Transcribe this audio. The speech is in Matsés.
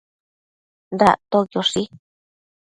Dactoquioshi